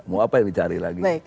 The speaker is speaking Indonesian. mau apa yang dicari lagi